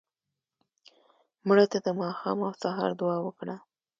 مړه ته د ماښام او سهار دعا وکړه